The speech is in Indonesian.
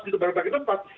di berbagai tempat